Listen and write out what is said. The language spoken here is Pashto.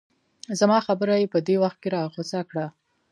زما خبره یې په دې وخت کې راغوڅه کړه.